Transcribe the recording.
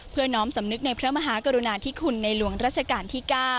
น้อมสำนึกในพระมหากรุณาธิคุณในหลวงรัชกาลที่๙